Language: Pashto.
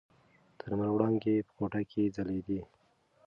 د لمر وړانګې په کوټه کې ځلېدې.